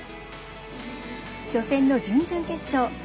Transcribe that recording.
初戦の準々決勝。